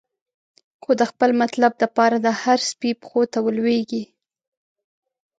خو د خپل مطلب د پاره، د هر سپی پښو ته لویږی